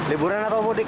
hiburan atau mudik